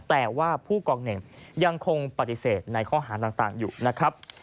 แต่ว่าผู้กองเน่งยังคงปฏิเสธในข้อหาต่างอยู่นะครับ